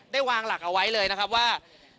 วางหลักเอาไว้เลยนะครับว่า